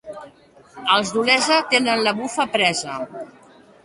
Els d'Olesa tenen la bufa presa.